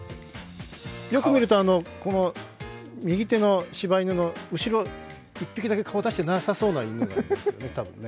よく見ると、右手の調べ犬の後ろ、１匹だけ顔出してなさそうな。